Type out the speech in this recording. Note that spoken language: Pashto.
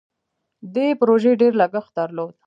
دې پروژې ډیر لګښت درلود.